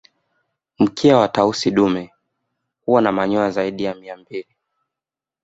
Mkia wa Tausi dume huwa na manyoa zaidi ya Mia mbili